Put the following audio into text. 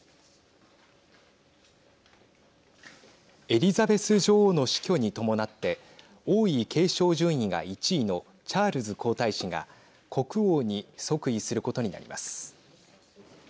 エリザベス女王の死去に伴って王位継承順位が１位のチャールズ皇太子が国王に即位することになります。